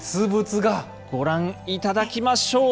ご覧いただきましょう。